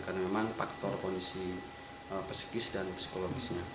karena memang faktor kondisi pesikis dan psikologisnya